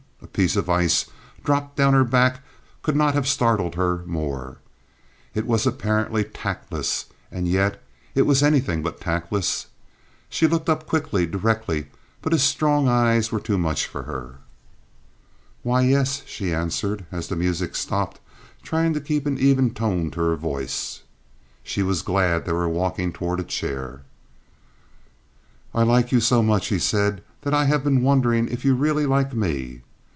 A piece of ice dropped down her back could not have startled her more. It was apparently tactless, and yet it was anything but tactless. She looked up quickly, directly, but his strong eyes were too much for her. "Why, yes," she answered, as the music stopped, trying to keep an even tone to her voice. She was glad they were walking toward a chair. "I like you so much," he said, "that I have been wondering if you really like me."